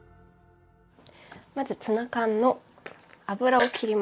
まずツナ缶の油をきります。